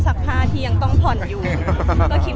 แม็กซ์ก็คือหนักที่สุดในชีวิตเลยจริง